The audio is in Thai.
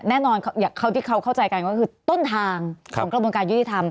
แน่นอนเขาที่เขาเข้าใจกันก็คือต้นทางของกระบวนการยุติธรรม